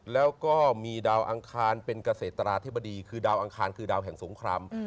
แล้วก็มีดาวอังคารเป็นเกษตราธิบดีคือดาวอังคารคือดาวแห่งสงคราม